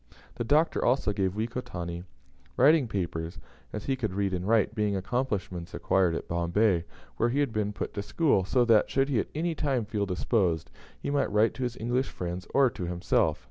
The Doctor also gave Wekotanti writing paper as he could read and write, being accomplishments acquired at Bombay, where he had been put to school so that, should he at any time feel disposed, he might write to his English friends, or to himself.